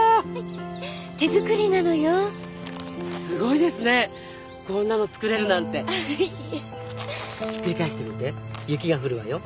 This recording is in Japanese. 手作りなのよすごいですねこんなの作れるなんていいえひっくり返してみて雪が降るわよ